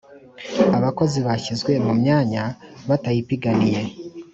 Abakozi bashyizwe mu myanya batayipiganiye.